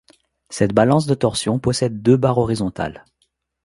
Cette balance de torsion possède deux barres horizontales.